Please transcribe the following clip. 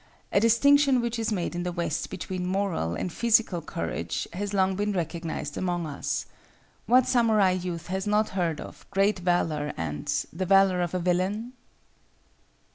A distinction which is made in the West between moral and physical courage has long been recognized among us. What samurai youth has not heard of "Great Valor" and the "Valor of a Villein?"